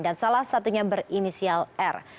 dan salah satunya berinisial r